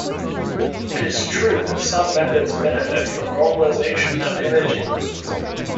It is true that some methods benefit from normalization of image inputs.